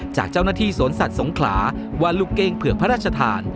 จากเจ้าหน้าที่สวนสัตว์สงขลาว่าลูกเก้งเผือกพระราชทาน